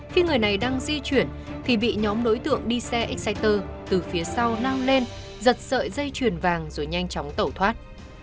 khi người này đang di chuyển thì bị nhóm đối tượng đi xe exciter từ phía sau nang lên giật sợi dây chuyền vàng rồi nhanh chóng tẩu thoát